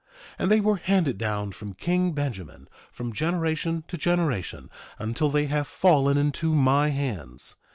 1:11 And they were handed down from king Benjamin, from generation to generation until they have fallen into my hands.